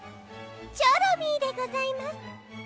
チョロミーでございます。